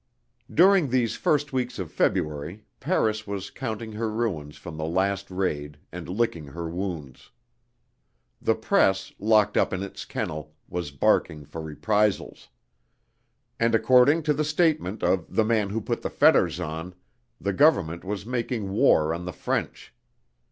During these first weeks of February, Paris was counting her ruins from the last raid and licking her wounds. The press, locked up in its kennel, was barking for reprisals. And, according to the statement of "the Man who put the fetters on," the government was making war on the French.